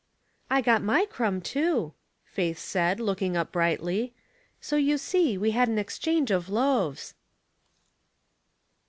" I got my crumb, too," Faith said, looking up brightly. "So you see we had an exchangr of loaves."